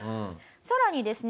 さらにですね